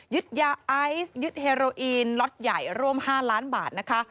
ยาไอซ์ยึดเฮโรอีนล็อตใหญ่ร่วม๕ล้านบาทนะคะ